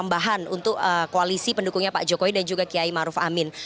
tambahan untuk koalisi pendukungnya pak jokowi dan juga kiai maruf amin